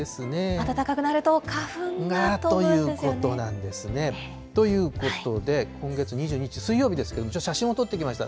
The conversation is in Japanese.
暖かくなると花粉が飛ぶんですよね。ということなんですね。ということで、今月２２日水曜日ですけれども、ちょっと写真を撮ってきました。